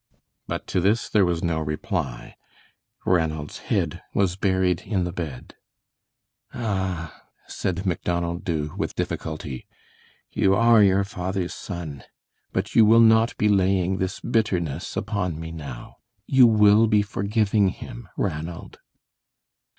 But to this there was no reply. Ranald's head was buried in the bed. "Ah," said Macdonald Dubh, with difficulty, "you are your father's son; but you will not be laying this bitterness upon me now. You will be forgiving him, Ranald?"